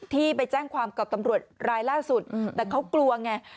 ที่ไปแจ้งความกับตำรวจรายล่าสุดแต่เขากลัวไง